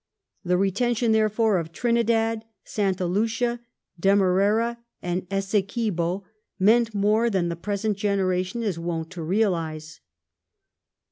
The retention, therefore, of Trinidad, St. Lucia, Demerara, and Essequibo meant more than the present generation is wont to realize.